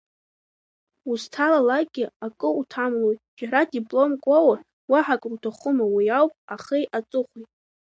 Узҭалалакгьы акы уҭамлои, џьара дипломк уоур, уаҳа акруҭахума, уи ауп ахи аҵыхәеи…